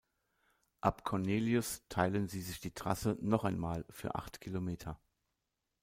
Ab Cornelius teilen sie sich die Trasse noch einmal für acht Kilometer.